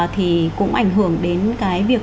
thì cũng ảnh hưởng đến cái việc